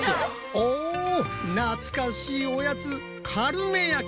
お懐かしいおやつカルメ焼き！